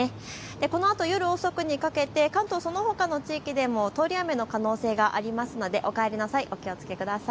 このあと夜遅くにかけて関東そのほかの地域でも通り雨の可能性がありますのでお帰りの際、お気をつけください。